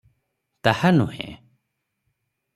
ତାହା ନୁହେଁ ।